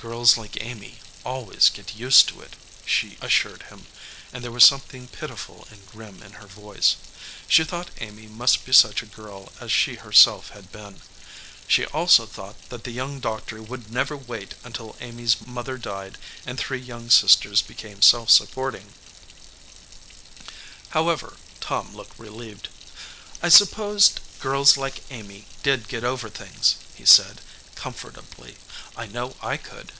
"Girls like Amy always get used to it," she as sured him, and there was something pitiful and grim in her voice. She thought Amy must be such a girl as she herself had been. She also thought that the young doctor would never wait until Amy s mother died and three young sisters became self supporting. 15 EDGEWATER PEOPLE However, Tom looked relieved. "I supposed girls like Amy did get over things," he said, com fortably. "I know I could."